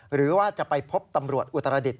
หรือว่าจะไปพบตำรวจอุตรศาสตร์